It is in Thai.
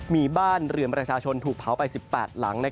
มีบ้านเรือนประชาชนถูกเผาไป๑๘หลัง